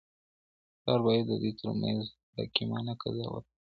پلار بايد د دوی تر منځ حکيمانه قضاوت وکړي.